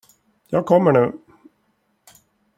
Jag kommer nu.